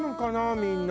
みんな。